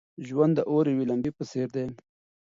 ژوند د اور د یوې لمبې په څېر دی.